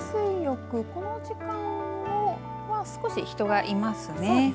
海水浴この時間は少し人がいますね。